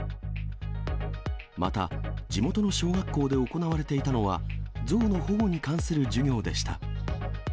また、地元の小学校で行われていたのは、象の保護に関する授業でした。